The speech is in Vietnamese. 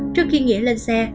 trước khi nghĩa lên xe